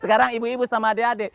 sekarang ibu ibu sama ade ade